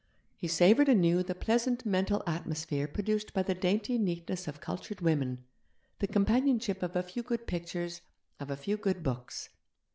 He savoured anew the pleasant mental atmosphere produced by the dainty neatness of cultured women, the companionship of a few good pictures, of a few good books.